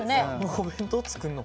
お弁当作んの？